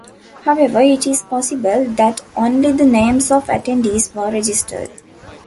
However it is possible that only the names of attendees were registered.